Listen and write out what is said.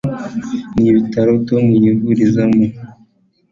nibitaro tom yavukiyemo